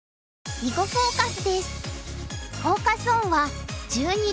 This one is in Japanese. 「囲碁フォーカス」です。